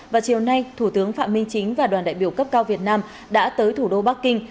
và chiều nay thủ tướng phạm minh chính và đoàn đại biểu cấp cao việt nam đã tới thủ đô bắc kinh